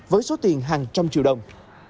với số tiền hàng trăm triệu đồng